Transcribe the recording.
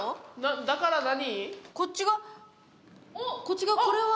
だから何？